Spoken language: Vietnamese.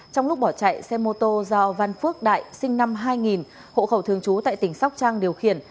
trong lúc bỏ chạy xe mô tô do văn phước đại sinh năm hai nghìn hộ khẩu thường trú tại tỉnh sóc trăng điều khiển